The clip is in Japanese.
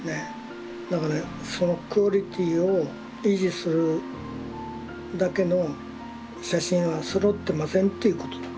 だからそのクオリティーを維持するだけの写真はそろってませんということだ。